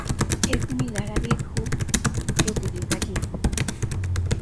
Es similar a GitHub, que utiliza Git.